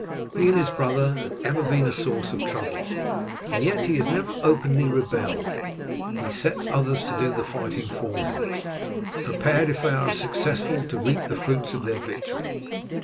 He and his brother have ever been a source of trouble, and yet he has never openly rebelled; he sets others to do the fighting for him, prepared if they are successful to reap the fruits of their victory.